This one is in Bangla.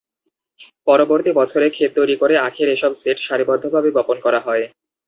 পরবর্তী বছরে ক্ষেত তৈরি করে আখের এসব সেট সারিবদ্ধভাবে বপন করা হয়।